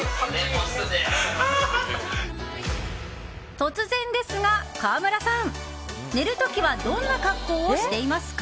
突然ですが、川村さん寝る時はどんな格好をしていますか？